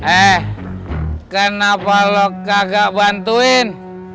eh kenapa lo kagak bantuin